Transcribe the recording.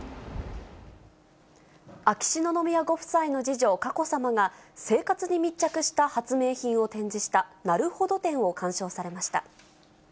秋篠宮ご夫妻の次女、佳子さまが、生活に密着した発明品を展示した、なるほど展を鑑賞されました。